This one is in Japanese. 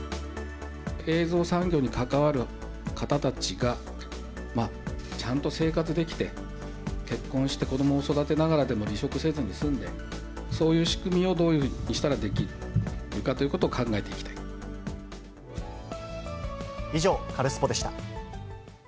映像産業に関わる方たちが、ちゃんと生活できて、結婚して子どもを育てながらでも離職せずに済んで、そういう仕組みをどういうふうにしたらできるかということを考え以上、カルスポっ！でした。